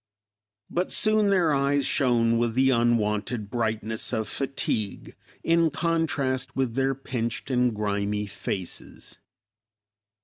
But soon their eyes shone with the unwonted brightness of fatigue in contrast with their pinched and grimy faces.